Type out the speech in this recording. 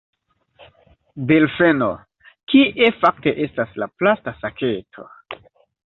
Delfeno: "Kie fakte estas la plasta saketo?"